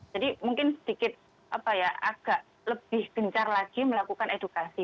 jadi mungkin sedikit agak lebih gencar lagi melakukan edukasi